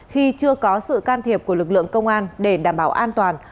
khi chưa có sự can thiệp của lực lượng công an để đảm bảo an toàn